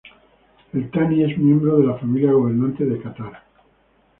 Al Thani es miembro de la familia gobernante de Catar.